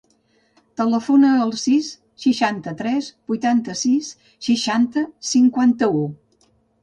Telefona al sis, seixanta-tres, vuitanta-sis, seixanta, cinquanta-u.